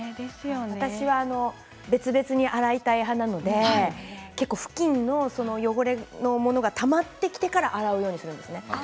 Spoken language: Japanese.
私は別々に洗いたい派なのでふきんの汚れのものがたまってきてから洗うようにしているんですね。